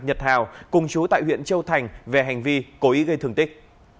nhật hào cùng chú tại huyện châu thành về hành vi cố ý gây thương tích